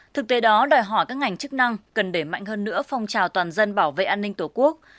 thực tế đó đòi hỏi các ngành chức năng cần để mạnh hơn nữa phong trào toàn dân bảo vệ an ninh tổ quốc